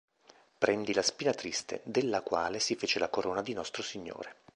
Prendi la spina triste, della quale si fece la corona di Nostro Signore.